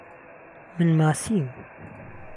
من ماسیم.